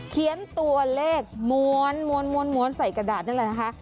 เขียนตัวเลขม้วนใส่กระดาษนั่นแหละนะคะ